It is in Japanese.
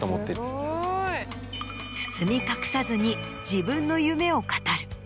包み隠さずに自分の夢を語る。